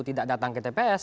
tidak datang ke tps